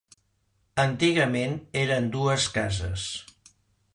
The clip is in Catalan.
Antigament eren dues cases.